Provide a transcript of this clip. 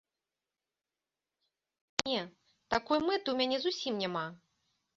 Не, такой мэты ў мяне зусім няма.